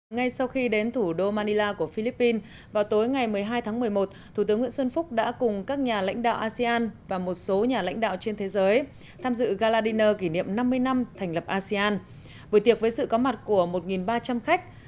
ngay sau khi đến thủ đô manila của philippines vào tối ngày một mươi hai tháng một mươi một thủ tướng nguyễn xuân phúc đã cùng các nhà lãnh đạo asean và một số nhà lãnh đạo trên thế giới tham dự galadino kỷ niệm năm mươi năm thành lập asean buổi tiệc với sự có mặt của một ba trăm linh khách